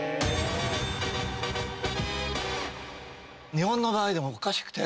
日本の場合でもおかしくて。